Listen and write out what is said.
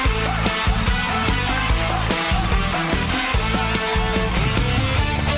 รับครึ่งเดียว